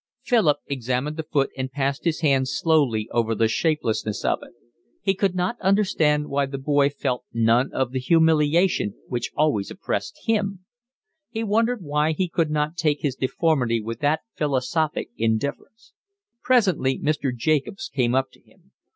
Philip examined the foot and passed his hand slowly over the shapelessness of it. He could not understand why the boy felt none of the humiliation which always oppressed himself. He wondered why he could not take his deformity with that philosophic indifference. Presently Mr. Jacobs came up to him.